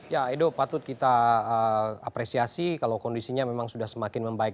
ya edo patut kita apresiasi kalau kondisinya memang sudah semakin membaik